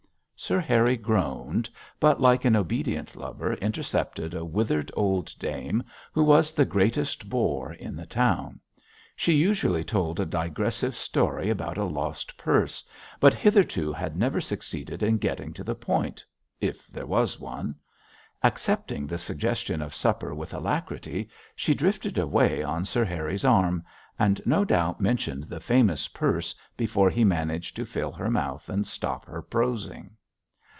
Sir Harry groaned, but like an obedient lover intercepted a withered old dame who was the greatest bore in the town. She usually told a digressive story about a lost purse, but hitherto had never succeeded in getting to the point, if there was one. Accepting the suggestion of supper with alacrity, she drifted away on Sir Harry's arm, and no doubt mentioned the famous purse before he managed to fill her mouth and stop her prosing.